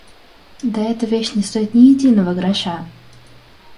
Да эта вещь не стоит ни единого гроша!